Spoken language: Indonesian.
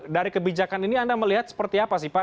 dari kebijakan ini anda melihat seperti apa sih pak